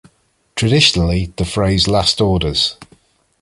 Traditionally, the phrase Last orders!